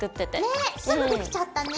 ねっすぐできちゃったね！